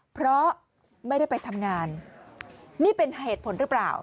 เพราะไม่ได้ไปทำงานนี่เป็นเหตุผลหรือเปล่า